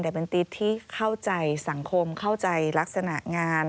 แต่เป็นติ๊ดที่เข้าใจสังคมเข้าใจลักษณะงาน